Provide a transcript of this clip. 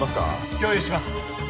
共有します